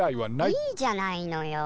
いいじゃないのよ。